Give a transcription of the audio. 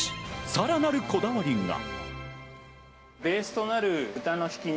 さらなるこだわりが。